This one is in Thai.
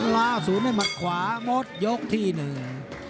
ล่าสุดในหมัดขวางดยกที่หนึ่ง